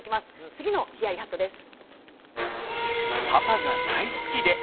次のヒヤリハットです。